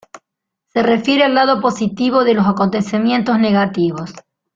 Se refiere al lado positivo de los acontecimientos negativos.